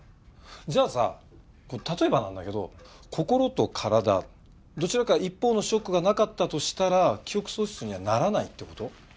じゃあさ例えばなんだけど心と体どちらか一方のショックがなかったとしたら記憶喪失にはならないって事？